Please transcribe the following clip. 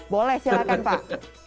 boleh silahkan pak